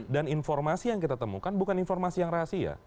dan informasi yang kita temukan bukan informasi yang rahasia